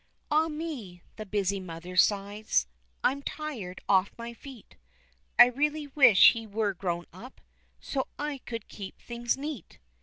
"Ah me!" the busy mother sighs, I'm tired off my feet, I really wish he were grown up So I could keep things neat!